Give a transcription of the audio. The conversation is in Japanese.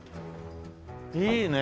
いいね。